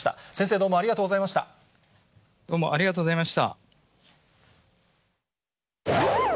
どうもありがとうございまし